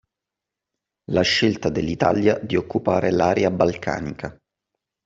La scelta dell'Italia di occupare l'area balcanica.